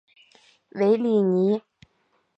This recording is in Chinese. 韦里尼。